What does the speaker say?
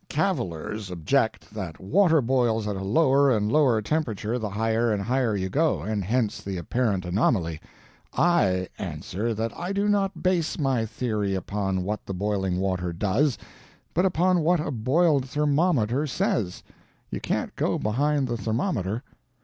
Cavilers object that water boils at a lower and lower temperature the higher and higher you go, and hence the apparent anomaly. I answer that I do not base my theory upon what the boiling water does, but upon what a boiled thermometer says. You can't go behind the thermometer.